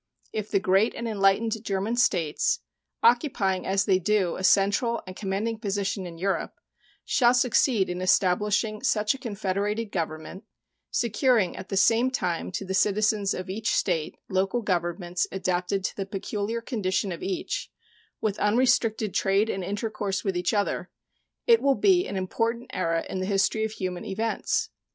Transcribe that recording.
If the great and enlightened German States, occupying, as they do, a central and commanding position in Europe, shall succeed in establishing such a confederated government, securing at the same time to the citizens of each State local governments adapted to the peculiar condition of each, with unrestricted trade and intercourse with each other, it will be an important era in the history of human events.